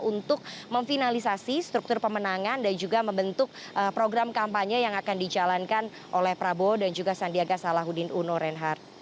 untuk memfinalisasi struktur pemenangan dan juga membentuk program kampanye yang akan dijalankan oleh prabowo dan juga sandiaga salahuddin uno reinhardt